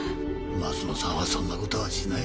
鱒乃さんはそんな事はしない。